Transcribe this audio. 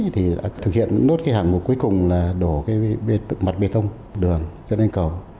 thì đã thực hiện nốt cái hạng mục cuối cùng là đổ cái mặt bê tông đường dẫn lên cầu